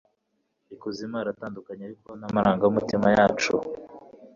Ikuzimu haratandukanye ariko namarangamutima yacu